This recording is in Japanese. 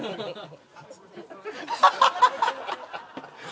ハハハハ！